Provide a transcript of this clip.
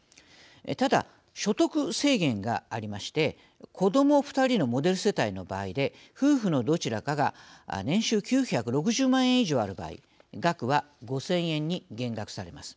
ただ、所得制限がありまして子ども２人のモデル世帯の場合で夫婦のどちらかが年収９６０万円以上ある場合額は５０００円に減額されます。